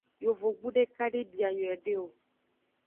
Yovogbu deka de bia nyuiede o.